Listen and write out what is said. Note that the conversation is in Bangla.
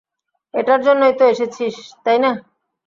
এটার জন্যই তো এসেছিস, তাই না?